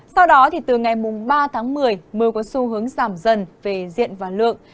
sau đó từ ngày ba tháng một mươi mưa có xu hướng giảm dần về diện và lượng